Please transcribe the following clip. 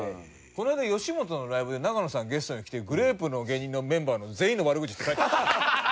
この間吉本のライブで永野さんゲストに来てグレープの芸人のメンバーの全員の悪口言って帰ってました。